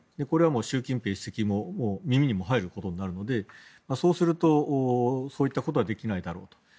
これは習近平国家主席の耳にも入ることにもなるのでそうするとそういったことはできないだろうと。